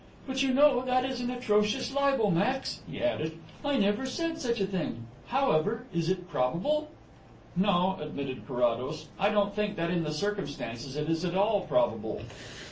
"But, you know, that is an atrocious libel, Max," he added. "I never said such a thing. However, is it probable?" "No," admitted Carrados. "I don't think that in the circumstances it is at all probable."